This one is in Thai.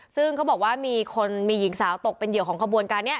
ซึ่งเขาบอกว่ามีคนมีหญิงสาวตกเป็นเหยื่อของขบวนการนี้